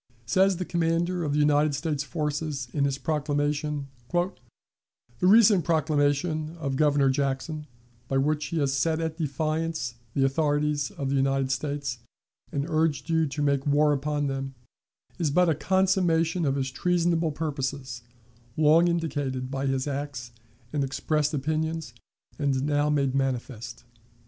Says the commander of the United States forces, in his proclamation: "The recent proclamation of Governor Jackson, by which he has set at defiance the authorities of the United States and urged you to make war upon them, is but a consummation of his treasonable purposes, long indicated by his acts and expressed opinions, and now made manifest."